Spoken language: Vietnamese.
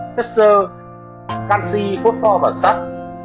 chất xơ canxi cốt pho và sắc